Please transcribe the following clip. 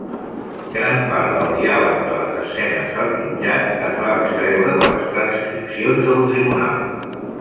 Gran part del diàleg de les escenes al jutjat es va extreure de les transcripcions del tribunal.